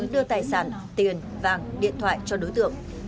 bà thuyết đưa tài sản tiền và điện thoại cho đối tượng